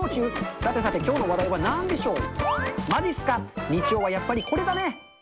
さてさて、きょうの話題はなんでしょう？